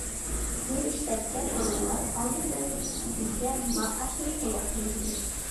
بىزنى ئىشلەتكەن ئورۇنلار ئالدى بىلەن بىزگە مائاشنى تولۇق بېرىدۇ.